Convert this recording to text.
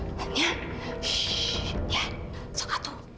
udah tenang aja nggak takut